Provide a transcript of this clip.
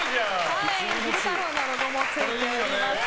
昼太郎のロゴもついております。